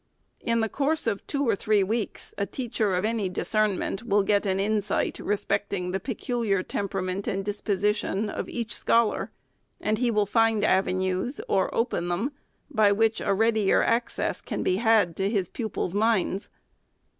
In the course of two or three weeks, a teacher of any discernment will get an insight respecting the peculiar temperament and disposition of each scholar, and he will find avenues, or open them, by which a readier access can be had to his pupils' minds.